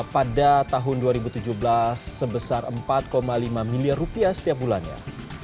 pada tahun dua ribu tujuh belas sebesar empat lima miliar rupiah setiap bulannya